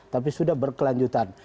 tapi sudah berkelanjutan